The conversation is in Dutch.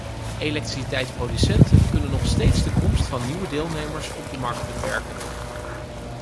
Elektriciteitsproducenten kunnen nog steeds de komst van nieuwe deelnemers op de markt beperken.